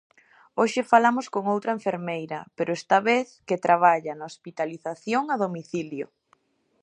Hoxe falamos con outra enfermeira, pero esta vez, que traballa na hospitalización a domicilio.